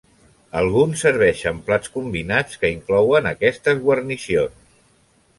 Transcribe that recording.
Alguns serveixen plats combinats que inclouen aquestes guarnicions.